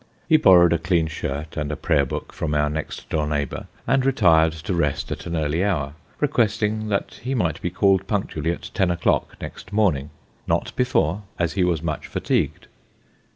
He borrowed a clean shirt, and a prayer book, from our next door neighbour, and retired to rest at an early hour, re questing that he might be called punctually at ten o'clock next morn ing not before, as he was much fatigued.